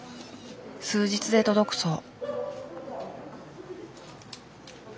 数日で届くそう。